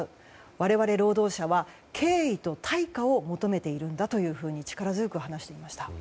我々労働者は敬意と対価を求めているんだと力強く話していました。